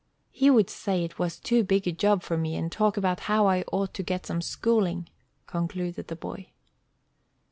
"He would say it was too big a job for me, and talk about how I ought to get some schooling," concluded the boy.